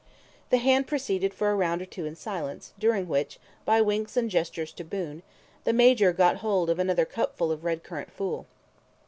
The hand proceeded for a round or two in silence, during which, by winks and gestures to Boon, the Major got hold of another cupful of red currant fool.